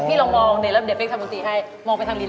อ่ะและนี่คือคำถามข้อที่๒